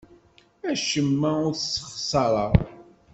Acemma ur t-ssexṣareɣ.